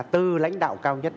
từ lãnh đạo cao nhất